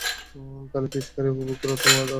তাহলে ফিস-কারি উপভোগ করো তোমার দাদারা পরিবেশন করবে।